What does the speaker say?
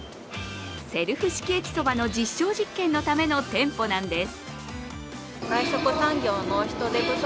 セルフ式駅そばの実証実験のための店舗なんです。